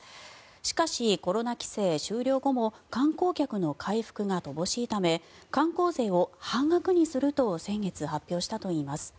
しかしコロナ規制終了後も観光客の回復が乏しいため観光税を半額にすると先月、発表したといいます。